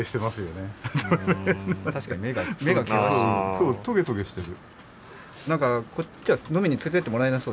そうトゲトゲしてる。